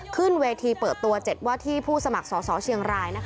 ขึ้นเวทีเปิดตัวเจ็ดวัฒน์ที่ผู้สมัครสสเชียงรายนะคะ